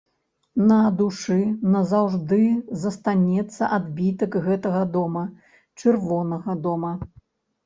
На душы назаўжды застанецца адбітак гэтага дома, чырвонага дома.